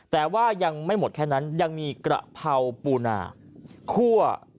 แต่ว่ายังไม่หมดแค่นั้นยังมีกระเพราปูนาคั่ว